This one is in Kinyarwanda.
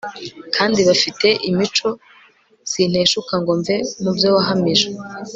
kandi bafite imicosinteshukangomve mubyowahamije